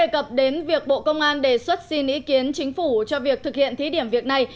công an đề xuất xin ý kiến chính phủ cho việc thực hiện thí điểm việc này